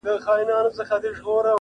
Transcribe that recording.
وړې څپې له توپانونو سره لوبي کوي٫